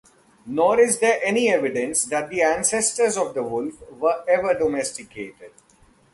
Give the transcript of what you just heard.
Nor is there any evidence that the ancestors of the wolf were ever domesticated.